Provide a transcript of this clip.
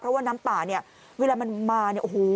เพราะว่าน้ำป่านี้ไวเวลามันมา